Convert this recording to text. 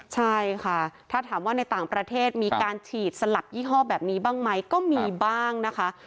ใช่ค่ะถ้าถามว่าในต่างประเทศมีการฉีดสลับยี่ห้อแบบนี้บ้างไหมก็มีบ้างนะคะ